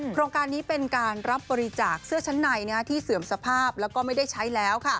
โครงการนี้เป็นการรับบริจาคเสื้อชั้นในที่เสื่อมสภาพแล้วก็ไม่ได้ใช้แล้ว